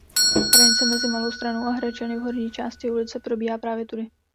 Hranice mezi Malou Stranou a Hradčany v horní části ulice probíhá právě tudy.